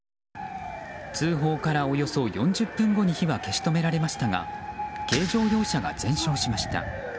通報からおよそ４０分後に火は消し止められましたが軽乗用車が全焼しました。